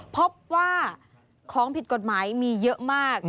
พบว่าของผิดกฎหมายมีเยอะมาก